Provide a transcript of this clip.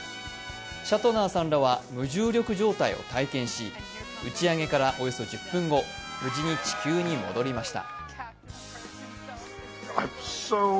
シャトナーさんらは無重力状態を体験し、打ち上げからおよそ１０分後、無事に地球に戻りました。